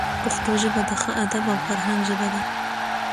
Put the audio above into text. پښتو ژبه د ښه ادب او فرهنګ ژبه ده.